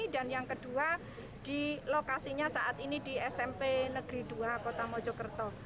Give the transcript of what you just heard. dan yang kedua di lokasinya saat ini di smp negeri dua kota mojokerto